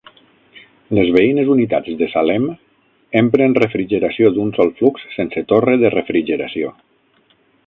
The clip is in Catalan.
Les veïnes unitats de Salem empren refrigeració d'un sol flux sense torre de refrigeració.